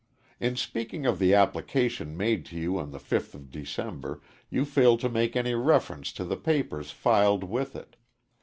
In speaking of the application made to you on the 5th of December, you failed to make any reference to the papers filed with it.